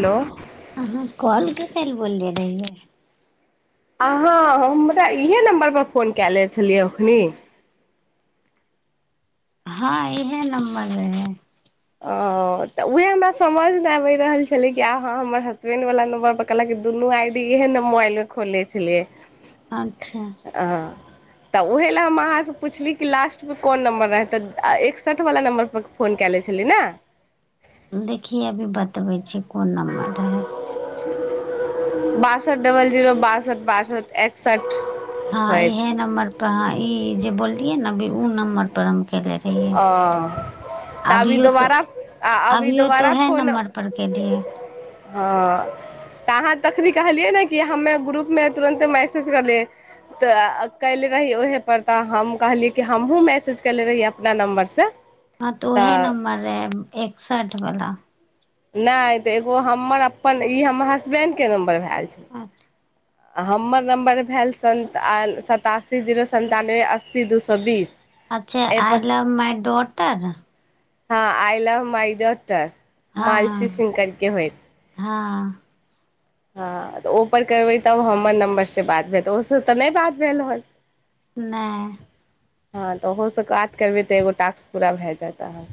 Hello. अहाँ कल कटल बोलले रहियै। अहाँ हमरा इहे नम्बर परर फोन कए ले छलियै एखनि। हँ इहे नम्बर रहै। ओ तऽ'उहे हमरा समझ ने आबि रहल छले कि आा हमर हसबेंड वाला नम्बर पर। कलक कि दुनू आईडी इहे ने मोबाइल में खोले छलिये। अच्छा। आह। [unintelligible] तऽ'ओहे ले हम अहाँ से पूछली कि लास्ट मे कोन नम्बर रहे ते एकसठ वला नम्बर पर फोन क ले छी। ी न। [unintelligible] देखिये अभी बतबे छी कोन नम्बर रहे। बासठ डबल जीरो बासठ बासठि एकसठ। [inaudible] हँ होइत इहे नम्बर पर ह ई जे बोललियए न अभी उ नम्बर पर हम खेले रहिये। आ। अभियो तो अभियो तो दोबारा है फोन नम्बर पर के लिए हँ त अहाँ तखनी कहलियै ने कि हमे ग्रुपमे तुरन्त मैसेज करलियै। तऽ' कले रही ओहे परर तऽ 'हम कहलियै कि हमहुँ मैसेज कले रहि। दुसरा नंबर से हँ तऽ' उहे नम्बर रहे एकसठ वाला। नहि तऽ'एगो हमर अपन ई हमर हसबेंडके नम्बर भेलए छै। आठ। [unintelligible] हमर नम्बर भेल स सतासी जीरो सन्तानबे अस्सी दू सए बीस। [inaudible] अच्छा आइ एहिपर लव माय डोटर। [inaudible] हँ I love my daughter Mansi हँ सि करके होइत। [inaudible] हँ। हँ तऽ'ओपर करबै तब हमर नम्बरसँ बात भेल त ओसँ तऽ'नहि बात भेल रहल। नैय हँ तऽ ओहोसँ काज करबै तऽ एगो टास्क पूरा भए जाता हन।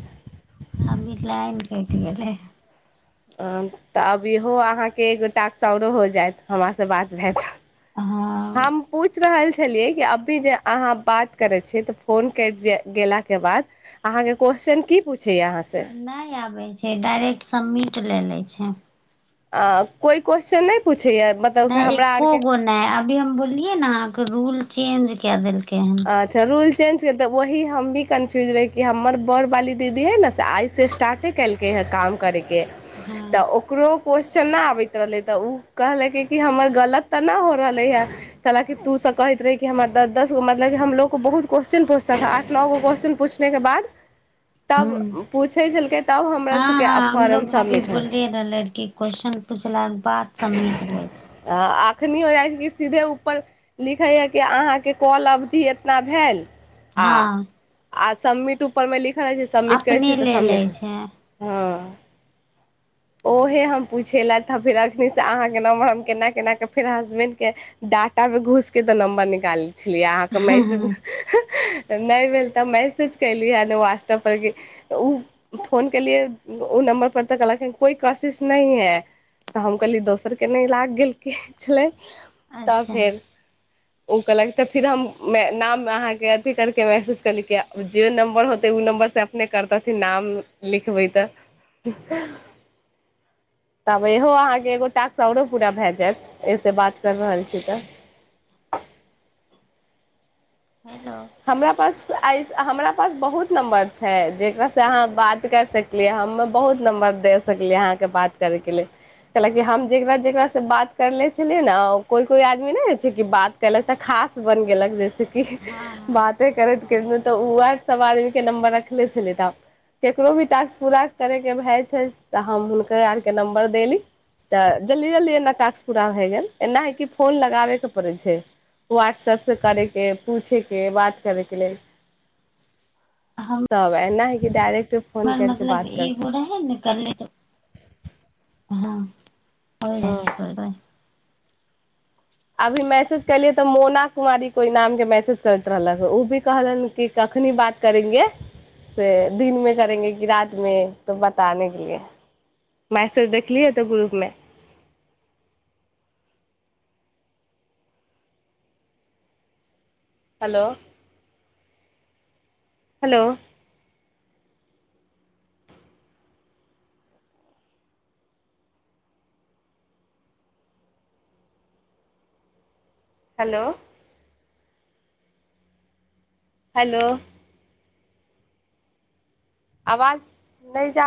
अभी लाइन केइट गेलै। तऽ अब इहो अहाँके एगो टाकसओरो हो जायत हमरासँ बात हत। हँ हम पूछ रहल छी। प छलियै कि अभी जे अहाँ बात करै छियै तऽ फोन कैट जाइ कैट गेलाके बाद अहाँ के क्वेस्चन की पूछय य अहाँ से? नहि आबै छै डाइरेक्ट सबमिट लए लै छै। अ कोई क्वेेश्चन नहि पूछैया मतलब हमरा आरके नै, अभी हम बोललिये न अहाँ के रूल चेंज क देलके हेन। अच्छा रूल चेंज कर तऽ वह हम भी कन्फ्यूज रहै कि हमर बड़ वाली दीदी ह न ने से आइ से स्टार्टे केलकै हँ काम करैके तऽ हूं उकरो क्वेश्चन नहि आबैत रहलै, तऽ ओ कहलकै कि हमर गलत तऽ नहि हो रहलै हँ। कहलकि तू सब कहैत रहे कि हमरा दस दस गो म [unintelligible] हमलोग बहु क्वेशस्चन पुछलकै आठ नओगो क्वेशस्चन पूछनेके बाद तब पूछै छलकै, तब हमरा हँ सभके फॉर्म सबमिट होइ क्वेस्चन पूछला के बाद सबमिट ले छै। अखनी हो जाइ छै कि सीधे ऊपर लिखे य के अहाँके कॉल अब एतना भेल आ, हँ आ सबमिट उपरमे लिखल रहइ छै सबमिट करै अपने छै तऽ ले लै सबमिट हँ छै [inaudible] ओहे हम पुछेलथि आ फेर एखन से अहाँके नम्बर हम केना केनााकऽ फेर हसबैण्डके डाटा पे घुसके तऽ नम्बर निकालै छलियै अहाँके मैसेज तऽ नहि भेल तऽ मैसेज कली हँ व्हाट्सअपर कि ओ फोन केलिए ओ नम्बर पर त कहलाखिन कोइ कोशिश नहिह है। तऽ हम कहलियै दोसरके नहि लागि गेलकै छलै। तब अच्छा फेर ओ कहल तऽ फेर हम नाम अहाँके अथी करके मैसेज कलेके, जे नम्बर होते ओ नम्बर से अपने करतथिन नाम लिखबै तऽ तब इहो अहाँके एगो टास्क आओरो पूरा भए जायत एहिसँ बात कर रहल छी तऽ हेलो हमरा पास ऐ हमरा पास बहुत नम्बर छै जेकररा से अहाँ बात कर सक लिए हमे बहुत नम्बर दे सकलियै अहाँके बात करैके ल लेल। कलकि हम जेकरा जेकास से बात करले छलियै ने कोइ- कोइ आदमी नहि छै कि बात केलक तऽ खास बन गेलक जैसेकि हँ हँ बाते कर तऽ उएह सब आदमी के नम्बर रखले छलै तऽ। ककरो भी टास्क पूरा करयके भए छै तऽ हम हुनकर आरके नम्बर देली। तऽ जल्दी जल्दी एना कास्ट पूरा भए गेल, एना हइ कि फोन लगाबयके पड़ै छै। व्हाट्सऐपसँ करैके पूछे के बात करे के लेल तब ऐना है कि डायरेक्ट फोन हां करके मतलब बात कर ईगो हो सक रहे ने करले त हँ। होये जाए हँ छी [unintelligible] अभी मैसेज केलियै तऽ मोना कुमारी कोइ नामके मैसेज करैत रहलक, ओ भी कहलन की कखनी बात करेंगे? से दिन में करेंगे कि रात मे तो बतााने के लिए? मैसेज देखलिय तऽ ग्रुप मे। हेलो। हेलो। हेलो। हेलो। आवाज नहि जा